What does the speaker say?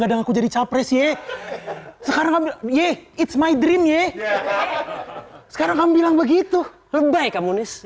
gadang aku jadi capres ye sekarang ya it's my dream ye sekarang bilang begitu lebay kamu nis